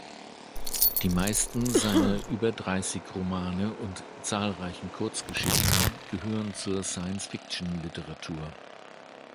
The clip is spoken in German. Die meisten seiner über dreißig Romane und zahlreichen Kurzgeschichten gehören zur Science-Fiction-Literatur.